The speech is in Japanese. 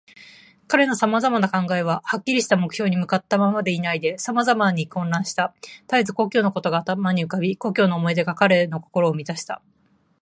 彼のさまざまな考えは、はっきりした目標に向ったままでいないで、さまざまに混乱した。たえず故郷のことが頭に浮かび、故郷の思い出が彼の心をみたした。